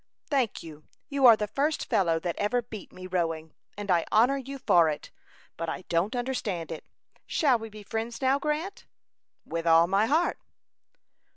"Thank you; you are the first fellow that ever beat me rowing, and I honor you for it, but I don't understand it. Shall we be friends now, Grant?" "With all my heart."